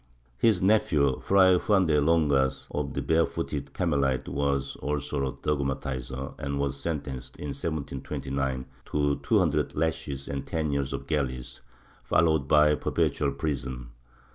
His nephew, Fray Juan de Longas, of the Barefooted Carmelites, was also a dog matizer and was sentenced, in 1729, to two hundred lashes and ten years of galleys, followed by perpetual prison.